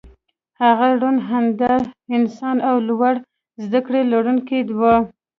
هغه روڼ انده انسان او لوړې زدکړې لرونکی و